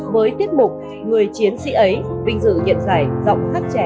với tiết mục người chiến sĩ ấy vinh dự nhận giải giọng khắc trẻ triển vọng